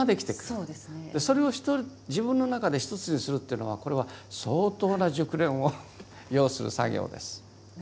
それを自分の中で一つにするっていうのはこれは相当な熟練を要する作業です。